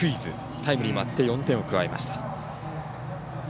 タイムリーもあって４点を加えました。